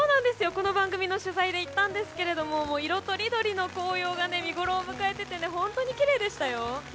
この番組の取材で行ったんですが色とりどりの紅葉が見ごろを迎えていて本当にきれいでしたよ。